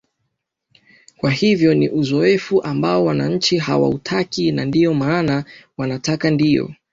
kwa hivyo ni uzoefu ambao wananchi hawautaki na ndio maana wanataka ndio